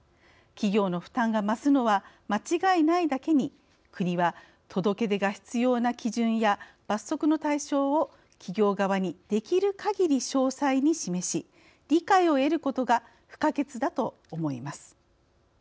企業の負担が増すのは間違いないだけに、国は届け出が必要な基準や罰則の対象を企業側にできるかぎり詳細に示し理解を得ることが不可欠だと思います。